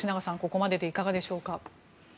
ここまででいかがでしょうか。